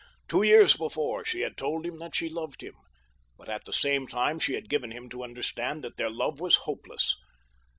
Two years before she had told him that she loved him; but at the same time she had given him to understand that their love was hopeless.